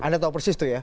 anda tahu persis itu ya